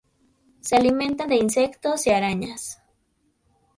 Se alimentan de insectos y arañas.